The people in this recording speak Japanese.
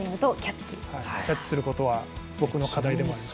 キャッチすることは僕の課題であります。